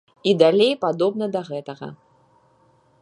І далей падобна да гэтага.